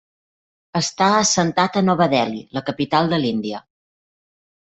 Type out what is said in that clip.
Està assentat a Nova Delhi, la capital de l'Índia.